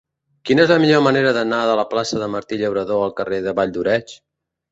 Quina és la millor manera d'anar de la plaça de Martí Llauradó al carrer de Valldoreix?